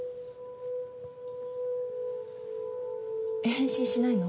返信しないの？